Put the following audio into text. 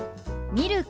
「ミルク」。